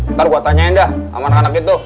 ntar buat tanyain dah sama anak anak itu